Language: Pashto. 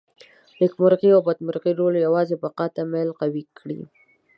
نېکمرغي او بدمرغي رول یوازې بقا ته میل قوي کړي.